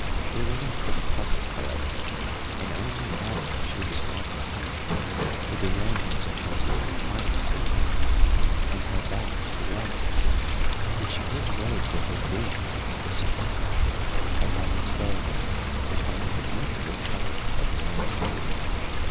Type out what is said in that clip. They were not for the public, however, and only after she was on the pony, with the reins in her little mites of hands and her back towards us, did she give way to her grief and disappointment at having failed to find the beautiful child of the mist.